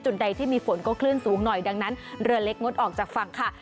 ใดที่มีฝนก็คลื่นสูงหน่อยดังนั้นเรือเล็กงดออกจากฝั่งค่ะ